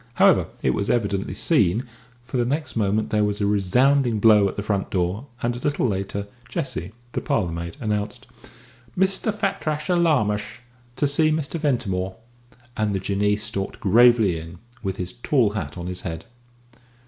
However, it was evidently seen, for the next moment there was a resounding blow at the front door, and a little later Jessie, the parlour maid, announced "Mr. Fatrasher Larmash to see Mr. Ventimore," and the Jinnee stalked gravely in, with his tall hat on his head.